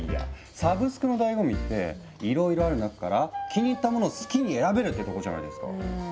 サブスクのだいご味っていろいろある中から気に入ったものを好きに選べるってとこじゃないですか。